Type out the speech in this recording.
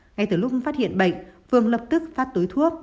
ngay từ lúc phát hiện bệnh phường lập tức phát túi thuốc